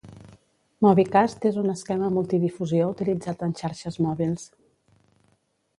MobiCast és un esquema multidifusió utilitzat en xarxes mòbils.